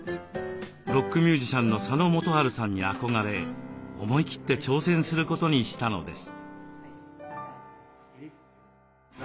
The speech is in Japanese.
ロックミュージシャンの佐野元春さんに憧れ思い切って挑戦することにしたのです。